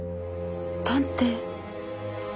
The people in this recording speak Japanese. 探偵。